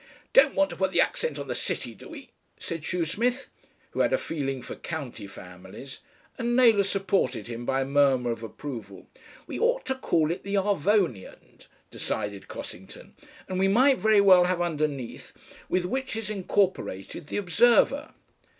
"Don't want to put the accent on the City, do we?" said Shoesmith, who had a feeling for county families, and Naylor supported him by a murmur of approval. "We ought to call it the ARVONIAN," decided Cossington, "and we might very well have underneath, 'With which is incorporated the OBSERVER.'